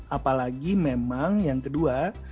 apalagi memang yang kedua